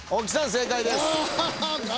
正解です。